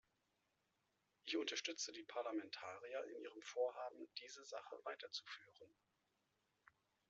Ich unterstütze die Parlamentarier in ihrem Vorhaben, diese Sache weiterzuführen.